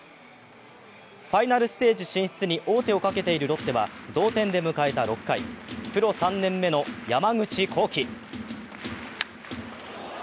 ファイナルステージ進出に王手をかけているロッテは同点で迎えた６回、プロ３年目の山口航輝。